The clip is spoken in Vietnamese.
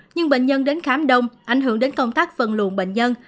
nhưng bệnh nhân đến khám đông ảnh hưởng đến công tác phần luồn bệnh nhân